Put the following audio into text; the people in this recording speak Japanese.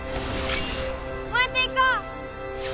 燃えていこう！